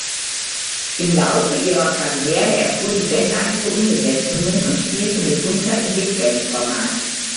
Im Laufe ihrer Karriere erfuhr die Band einige Umbesetzungen und spielte mitunter im "Bigband"-Format.